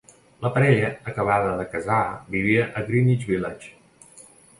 La parella acabada de casar vivia a Greenwich Village.